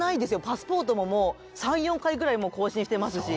パスポートももう３４回ぐらい更新してますし。